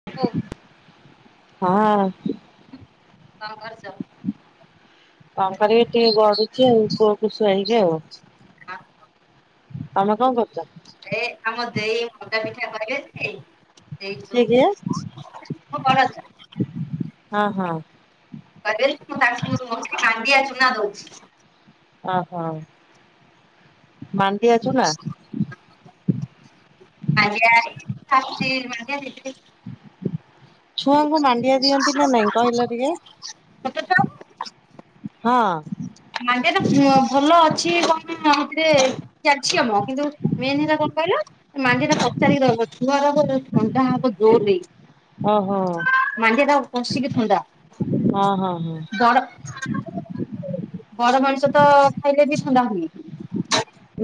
[unintelligible] ହଁ। କଣ କରୁଚ? କଣ କରିବି ଟିକେ ଗଢୁଚି ଆଉ ପୁଅକୁ ଶୁଆଇକି ଆଉ। ହଁ। ତମେ କଣ କରୁଛ? [unintelligible] ହଁ କିଏ କିଏ? ବଡ ଅଛ। ହଁ ହଁ। କହ ମୁଁ ତା ମୋତେ କାଣ୍ଡିଆ ଚୁନା ଦଉଛି। ଓହୋ ମାଣ୍ଡି ଆ ଚୁ ନା। [unintelligible] ଛୁଆଙ୍କୁ ମାଣ୍ଡିଆ ଦିଅନ୍ତି ନା ନାଇଁ କହିଲ ଟିକେ? [unintelligible] ହଁ। ମାଣ୍ଡିଆ ଟା ଭଲ ଅଛି କନ ହେଥିରେ? [unintelligible] ମାଣ୍ଡି ଟା ପଚାରିକି ରହ ଛୁଆ ରବ ଥଣ୍ଡା ହବ ଜୋରରେ। ଓହୋ ମଣ୍ଡିିଆ ଟ ପଶିକି ଥଣ୍ଡା ହଁ ହଁ ହଁ। ଦର ବଡ ମଣିଷ ତ ଖାଇଲେ ବି ଥଣ୍ଡା ହୁନି।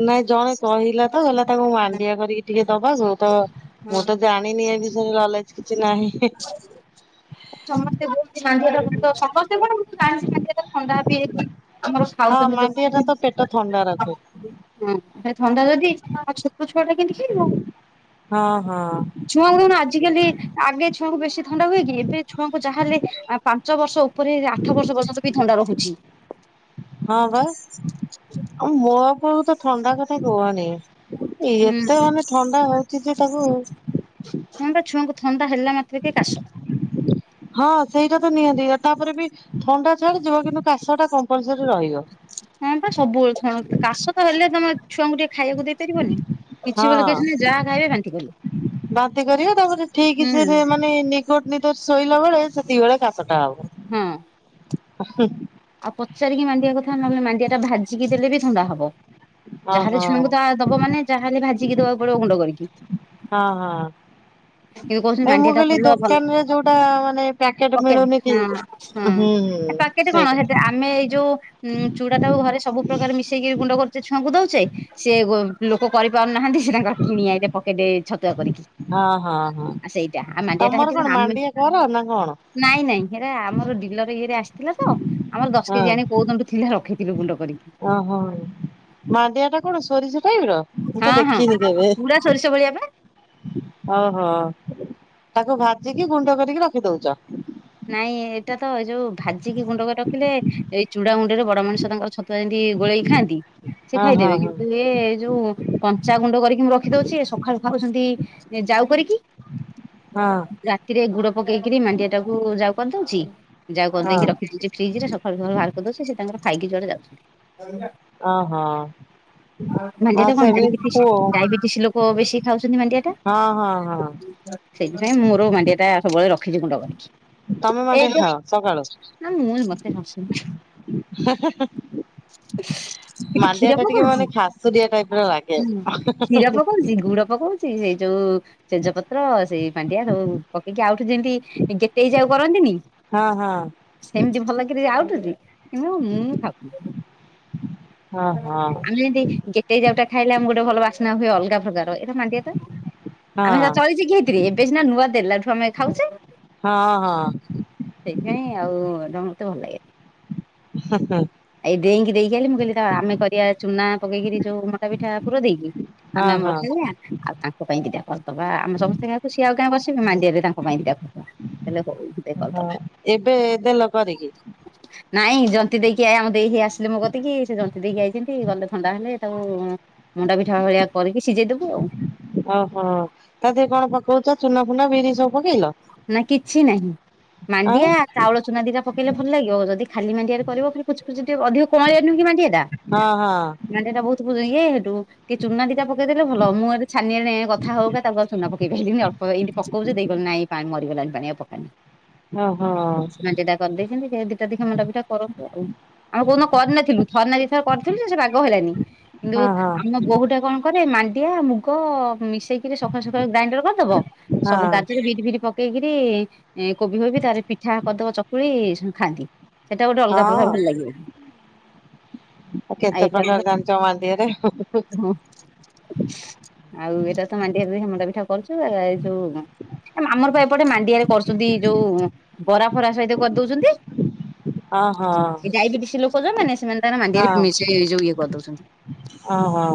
ନାଇଁ ଜଣେ କହିଲା ତ ହେଲା ତାକୁ ମାଣ୍ଡିଆ କରିକି ଟିକେ ଦବାକୁ ତ ମୁଁ ହଁ ତ ଜାଣିନି ଏ ବିଷୟରେ ଲଲେଜ କିଛି ନାହିଁ। ସମସ୍ତେ ବହୁଣ୍ଡି ସମସ୍ତେ କଣ ମୁଁ ଜାଣିଛି ମାଣ୍ଡିଅଟା ଥଣ୍ଡା ବି ହେଇ ପା। [unintelligible] ହୁଁ ହଁ ମାଣ୍ଡିଆ ଟା ତ ପେଟ ଥଣ୍ଡା ରଖେ। ଥଣ୍ଡା ଯଦି ଛୋଟ ଛୁଆ ଟା କେମିତି ଖେଳିବ? ହଁ ହଁ। ଛୁଆଙ୍କୁ କଣ ଆଜିକାଲି ଆଗେ ଛୁଆଙ୍କୁ ବେଶୀ ଥଣ୍ଡା ହୁଏ କି ଏବେ ଛୁଆଙ୍କୁ ଯାହେଲେ ଆ ପାଞ୍ଚ ବର୍ଷ ଉପରେ ଆଠ ବର୍ଷ ପର୍ଯ୍ୟନ୍ତ ବି ଥଣ୍ଡା ରହୁଛି। ହଁ ବା ଆଉ ମୋ ପୁଅକୁ ତ ଥଣ୍ଡା କଥା କୁହନି। ଏତେ ମାନେ ଥଣ୍ଡା ହଉଛି ଯେ ତାକୁ। ଥଣ୍ଡା ଛୁଆଙ୍କୁ ଥଣ୍ଡା ହେଲା ମାତ୍ରେ କି କାଶ। ହଁ ସେଇଟା ତ ନିହାନ୍ତି ତାପରେ ବି ଥଣ୍ଡା ଛାଡି ଯିବ କିନ୍ତୁ କାଶ ଟା କମ୍ପଲସରି ରହିବ। ହଁ ବା ସବୁବେଳେ କାଶ ତ ହେଲେ ତମେ ଛୁଆଙ୍କୁ ଟିକେ ଖାଇବାକୁ ଦେଇପାରିବନି। କିଛି ବୋଲି କି ହଁ ଯାହା ଖାଇବେ ବାନ୍ତି ବୋଲି। ବାନ୍ତି କରିବ ତାପରେ ଠିକ ସେ ମାନେ ନିକଟ ନିକଟ ଶୋଇଲା ବେଳେ ସେତିକି ଭଳେ କାଶଟା ହଁ ହବ। [unintelligible] ଆଉ ପଚାରିକି ମାଣ୍ଡିଆ କଥା ନହେଲେ ମାଣ୍ଡିଆ ଟା ଭାଜିକି ଦେଲେ ବି ଥଣ୍ଡା ହବ। ହଁ ଯାହେଲେ ହଁ। ଛୁଣବୁ ତାହା ଦବ ମାନେ ଯାହା ହେଲେ ଭାଜିକି ଦେବାକୁ ପଡିବ ଗୁଣ୍ଡ କରିକି। ହଁ ହଁ। କିନ୍ତୁ କହୁଛନ୍ତି ଏ ମାଣ୍ଡିଆ ମୁଁ ଟା କହିଲି ଭଲ ଭଲ ଦୋକାନରେ ଯୋଉଟା ମାନେ ପ୍ୟାକେଟ ପକେଟ ମିଳୁନି ହଁ କି। ହୁଁ ହଁ ହୁଁ ପାକେଟ ସେଇ କଣ କଥା ହେଟା ଆମେ ଏଇ ଯୋଉ ଉ ଚୁଡା ଟାକୁ ଘରେ ସବୁ ପ୍ର୍ରକାର ମିଶେଇକି ଗୁଣ୍ଡ କରୁଛେ ଛୁଆଙ୍କୁ ଦଉଛେ। ସେ ଲୋକ କରି ପାରୁନାହାନ୍ତି ସେ ତାଙ୍କର କିଣି ଏଇ ପକେଟ ଛତୁଆ କରିକି। ହଁ ହଁ ହଁ ଆଉ ସେଇଟା ଆଉ ମାଣ୍ଡିଆ ଟା ହେଠି ତମର କଣ ଆମେ ମାଣ୍ଡିଆ କର ନା କଣ? ନାଇଁ ନାଇଁ ହେରା ଆମର ଡିଲର ଇଏରେ ଆସିଥିଲା ତ ଆମର ଦଶ ହଁ କେଜି ଆଣି କୋଉ ଦଣ୍ଡୁ ଥିଲା ରଖେଇଥିଲୁ ଗୁଣ୍ଡ କରିକି ଓହୋ ମାଣ୍ଡିଆ ଟା କଣ ସୋରିଷ ଟାଇପ ର ମୁଁ ତ ଦେଖିନି କେବେ? ବୁଡ଼ା ସରିଷ ଭଳିଆବେ। ଓହୋ ତାକୁ ଭାଜିକି ଗୁଣ୍ଡ କରିକି ରଖିଦଉଛ। ନାଇଁ ଏଇଟା ତ ଏଇ ଯୋଉ ଭାଜିକି ଗୁଣ୍ଡକରି ରଖିଲେ ଏଇ ଚୁଡା ଗୁଣ୍ଡ ରେ ବଡ ମଣିଷ ତାଙ୍କରଛୁଆମିତି ଗୋଳେଇ ଖାଆନ୍ତି। ସେ ହଁ ହଁ ଖାଇଦେବେ ହଁ। କିନ୍ତୁ ଏ ଯୋଉ କଞ୍ଚାଗୁଣ୍ଡ କରିକି ମୁଁ ରଖିଦଉଛି ସକାଳୁ ଖାଉଛନ୍ତି ଯାଉ କରିକି। ହଁ ରାତିରେ ଗୁଡ ପକେଇକିରି ମାଣ୍ଡିଆ ଟାକୁ ଯାଉ କରି ଦଉଛି ଯାଉ କରି ଦେଇକି ରଖିଦଉଛି ଫ୍ରିଜ ରେ ସଖାଳୁ ସଖାଳୁ ବାହାର କରିଦେଉଛି ସେ ତାଙ୍କର ଖାଇକି ଯୁଆଡ଼େ ଯାଉଛନ୍ତି। ଓ ହୋ। ମାଣ୍ଡିଆ ଟା କଣଡବେଟିସ୍ ଡାଇବେଟିସ ଲୋକ ବେଶୀ ଖାଉଛନ୍ତି ମାଣ୍ଡିଆ ଟା। ହଁ ହଁ ହଁ ସେଇଥିପାଇଁ ମୋର ମାଣ୍ଡିଆଟା ସବୁବେଳେ ରଖିଛି ଗୁଣ୍ଡ କରିକି। ତମେ ମାଣ୍ଡିଆ ଏଠ ଖାଅ ସକାଳୁ ନ ମୁନ ମତେ ହାସନା। [inaudible] କିନ୍ତୁ ମାଣ୍ଡିଆ କ୍ଷୀର ଟା ଟିକେ ପକଉଛି, ମାନେ ଖାସୁଡିଆ ଟାଇପ ର ଲାଗେ ହଁ, କ୍ଷୀର ପକଉଛି ଗୁଡ ପକଉଛି। ସେଇ ଯୋଉ ତେଜ ପତ୍ର, ସେଇ ମାଣ୍ଡିଆ, ଯଉ ପକେଇକି ଆଉଠୁ ଯେମତି ଗେ ଯାଉ କରନ୍ତିନି ହଁ ହଁ ସେମିତି ଭଲ କି ଆଉଠୁଛି କିନ୍ତୁ ମୁଁ ଖାଉିନି। ହଁ ହଁ। ଆମେ ଯେମତି ଗେଟେଇ ଯାଉଟା ଖାଇଲେ ଆମେ ଗୋଟେ ଭଲ ବାସ୍ନା ହୁଏ ଅଲଗା ପ୍ରକାର ଏଇଟା ମାଣ୍ଡିଆ ଟା। ହଁ ଆମେ ସେଟା ଚଳିଚି କି ହେଇଥିରେ ଏବେ ସିନା ନୂଆ ଦେଲାଠୁ ଆମେ ଖାଉଛେ। ହଁ ହଁ। ସେଇଥିପାଇଁ ଆଉ ଏଟା ମତେ ଭଲ ଲାଗେ। ହଁ ହଁ। ଏଇ ଦେଇଙ୍କି ଦେଇକି ଆଇଲି ମୁଁ କହିଲି ତ ଆମେ କରିବା ଚୁନା ପକେଇକି ଯୋଉ ମଣ୍ଡା ପିଠା ପୁରା ଦେଇକି। ହଁ ଆମେ ଆମର ହଁ। ଖାଇବା ଆଉ ତାଙ୍କ ପାଇଁ ଦିଟା କରିଦବା ଆମେ ସମସ୍ତେ ଗାହାକୁ ସିଏ ଆଉ ଗାଁ ବସିବେ ମାଣ୍ଡିଆରେ ତାଙ୍କ ପାଇଁ ଦିଟା କରିଦବା। ହେଲେ ହଉ ଦେଖ। ହଁ ଏବେ ଦେଲ କରିକି? ନାଇଁ ଜନ୍ତି ଦେଇକି ଆ ଆମ ଦେଇ ହେ ଆସିଲେ ମୋ କତିକି ସେ ଜନ୍ତି ଦେଇକି ଆଇଛନ୍ତି ଗଲେ ଥଣ୍ଡା ହେଲେ ତାକୁ ମଣ୍ଡା ପିଠା ଭଳିଆ କରିକି ସିଝେଇଦବୁ ଆଉ। ଓହୋ ତାଆଦେହ କଣ ପକଉଛ ଚୁନା ଫୁନା ବିରି ସବୁ ପକେଇଲ? ନା କିଛି ନାହିଁ ଆଉ ମାଣ୍ଡିଆ ଚାଉଳ ଚୁନା ଦିଟା ପକେଇଲେ ଭଲ ଲାଗିବ ଯଦି ଖାଲି ମାଡିଆରେ କରିବ ଖୁଚୁ ଖୁଚ ଟିକେ ଅଧିକ କଁଳିଆ ନୁହଁ କି ମାଣ୍ଡିଆ ଟା? ହଁ ହଁ। ନାଡିଟ ବହୁତ ପୁ ଇଏ ହେଠୁ କି ଚୁନା ଦିଟା ପକେଇ ଦେଲେ ଭଲ ହବ, ମୁଁ ଏ ଛାନିରେ କଥା ହଉକା ତାକୁ ଆଉ ଚୁନା ପକେଇ ପାଇଲିନି ଅଳ୍ପ ଏମି ପଉଛି ଦେଇଗଲେ ନାଇଁ। ପାଣି ମରିଗଲଣି ପାଣି ଆଉ ପକାନି। ଓ ହୋ। ସୁନା ଦିଟା କରିଦେଇଛନ୍ତି ସେ ଦିଟା ଦିଖା ମଣ୍ଡା ପିଠା କରନ୍ତୁ ଆଉ। ଆମେ କୋଉନ କରିନଥିଲୁ ଥରିନା ଦି ଥର କରିଥିଲୁ ସେ ବାଗ ହେଲାନି କିନ୍ତୁ ହଁ ହଁ ଆମ ବୋଉ ଟା କଣ ରେ ମାଣ୍ଡିଆ, ମୁଗ, ମିଶେଇକି ସକାଳୁ ସଖଳୁ ଗ୍ରାଇଣ୍ଡର କରିଦବ। ସବୁ ହଁ ଗାଜରେ ବିଟ ଫିଟ୍ ପକେଇକିରି କୋବି ହୋବି ତାର ପିଠା କଦବ ଚକୁଳି ଏଇଁଷ ଖାନ୍ତିି। ସେଟା ଗୋଟେ ଅଲଗା ପ୍ରକାର ଭଲ ଲାଗିବନି। ମୁ ଆଉ କେତେ ପ୍ରକାର ଏଟା ଜାଣିଚ ମାନ୍ତିଆରେ ହୁଁମ୍ ହୁଁ। ଆଉ ଏଇଟା ତ ମାଣ୍ଡିଆ ହେମଣ୍ଡା ପିଠା କରୁଛୁ ଏଇ ଯୋଉ ଆମର ପା ଏପଟେ ମାଣ୍ଡିଆରେ କରୁଛନ୍ତି ଯୋଉ ବରା ଫରା ସହିତ ହଁ ହଁ କରିଦଉଛନ୍ତି। ଡାଇବେଟିସ୍ ଲୋକ ଯଉ ମାନେ ସେମାନେ ମାଣ୍ଡିଆରେ ମି ଏଇୋଉ ଇଏ କରିଦଉଛନ୍ତି। ଓ ହୋ।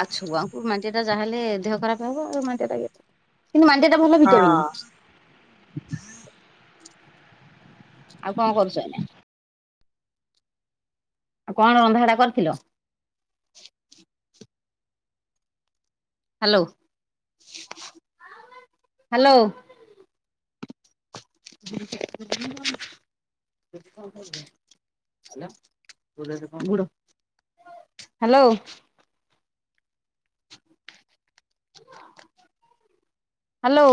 ଆଉ ଛୁଆଙ୍କୁ ମାଣ୍ଡିଆ ଟା ଯାହାହେଲେ ଦେହ ଖରାପ ହବ ଆଉ। ମାଟିଆ ଟା କେ କିନ୍ତୁ ମାଣ୍ଡିଆଟା ଭଲ ହଁ ଭିଟାମନ୍। ଆଉ କଣ କରୁଛ ଏନା? ଆଉ କଣ ରନ୍ଧାବଡା କରିଥିଲ? Hello hello. [unintelligible] [unintelligible] ହ୍ୟାଲୋ। ହ୍ୟାଲୋ।